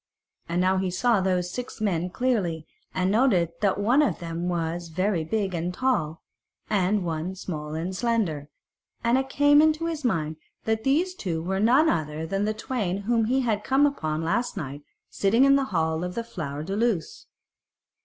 And now he saw those six men clearly, and noted that one of them was very big and tall, and one small and slender, and it came into his mind that these two were none other than the twain whom he had come upon the last night sitting in the hall of the Flower de Luce.